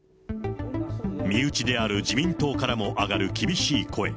身内である自民党からも上がる厳しい声。